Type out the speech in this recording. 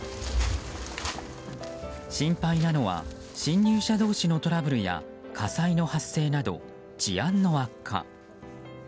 心配なのは侵入者同士のトラブルや火災の発生など治安の悪化。